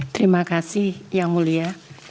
terima kasih yang mulia